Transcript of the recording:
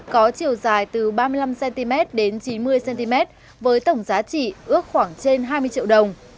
có chiều dài từ ba mươi năm cm đến chín mươi cm với tổng giá trị ước khoảng trên hai mươi triệu đồng